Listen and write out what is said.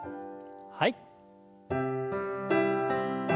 はい。